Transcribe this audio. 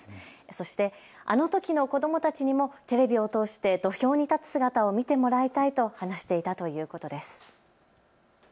そしてあのときの子どもたちにもテレビを通して土俵に立つ姿を見てもらいたいと話していたということです。